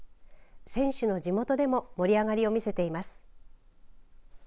選手の地元でも盛り上がりを見せています。